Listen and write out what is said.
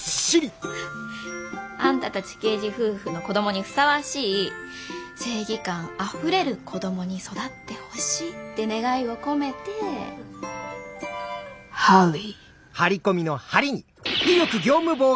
あんたたち刑事夫婦の子供にふさわしい正義感あふれる子供に育ってほしいって願いを込めて「張威」。